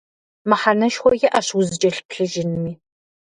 Мыхьэнэшхуэ иӀэщ узыкӀэлъыплъыжынми.